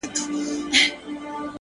o چي ته حال راكړې گرانه زه درځمه ـ